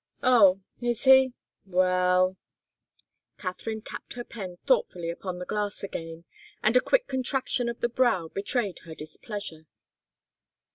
"Oh is he? Well " Katharine tapped her pen thoughtfully upon the glass again, and a quick contraction of the brow betrayed her displeasure.